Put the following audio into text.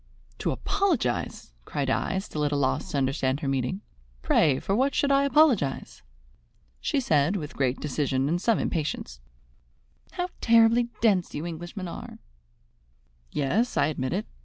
"To apologize?" cried I, still more at a loss to understand her meaning. "Pray, for what should I apologize?" She said with great decision and some impatience: "How terribly dense you Englishmen are!" "Yes, I admit it.